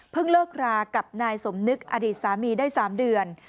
เลิกรากับนายสมนึกอดีตสามีได้๓เดือน